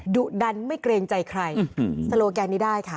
ดุดันไม่เกรงใจใครสโลแกนนี้ได้ค่ะ